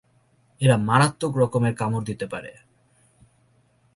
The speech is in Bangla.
এরা মারাত্মক রকমের কামড় দিতে পারে।